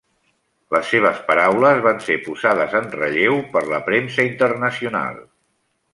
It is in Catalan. Les seves paraules van ser posades en relleu per la premsa internacional.